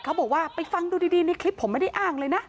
เขาบอกว่าไปฟังดูดีในคลิปผมไม่ได้อ้างเลยนะ